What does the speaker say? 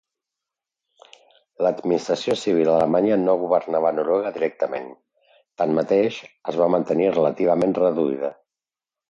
L'administració civil alemanya no governava Noruega directament, tanmateix, es va mantenir relativament reduïda.